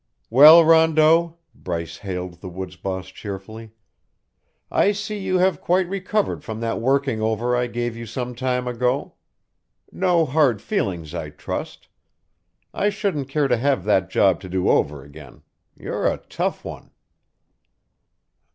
"Well, Rondeau," Bryce hailed the woods boss cheerfully, "I see you have quite recovered from that working over I gave you some time ago. No hard feelings, I trust. I shouldn't care to have that job to do over again. You're a tough one."